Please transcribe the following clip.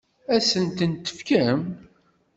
Ad asen-tent-tefkem?